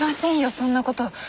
そんな事。